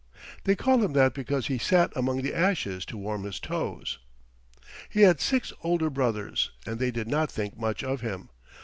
They called him that because he sat among the ashes to warm his toes. He had six older brothers, and they did not think much of him.